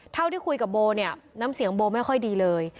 เท่าที่คุยกับโบเนี่ยน้ำเสียงโบไม่ค่อยดีเลย